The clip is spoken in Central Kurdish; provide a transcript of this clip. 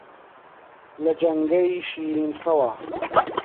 لە جەنگەی شیرن خەوا